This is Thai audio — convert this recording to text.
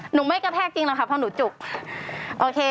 หนูไม่กระแทกจริงแล้วครับพอหนูจุก